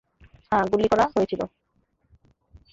হ্যাঁ, গুলি করা হয়েছিল।